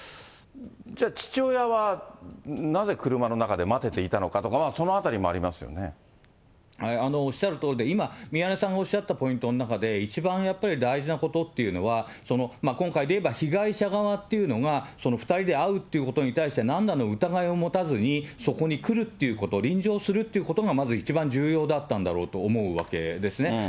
じゃあ、父親はなぜ車の中で待てていたのかとか、そのあたりもありますよおっしゃるとおりで、今、宮根さんがおっしゃったポイントの中で、一番やっぱり大事なことっていうのは、今回でいえば被害者側っていうのが、２人で会うということに対してなんらの疑いを持たずに、そこに来るっていうこと、臨場するということが、まず一番重要だったんだろうと思うわけですね。